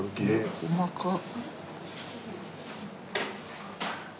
細かっ！